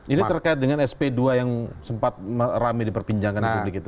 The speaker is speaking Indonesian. ini terkait dengan sp dua yang sempat rame diperbincangkan di publik itu